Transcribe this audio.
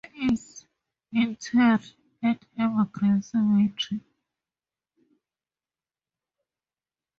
He is interred at Evergreen Cemetery.